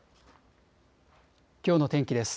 きょうの天気です。